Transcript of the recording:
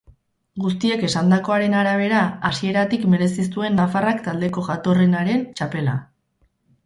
Guztiek esandakoaren arabera, hasieratik merezi zuen nafarrak taldeko jatorrenaren txapela.